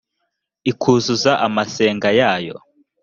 ikuzuza amasenga yayo